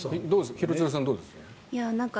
廣津留さん、どうですか？